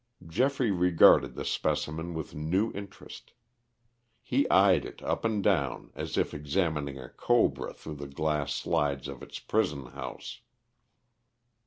Geoffrey regarded the specimen with new interest. He eyed it up and down as if examining a cobra through the glass sides of its prison house.